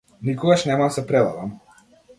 Никогаш нема да се предадам.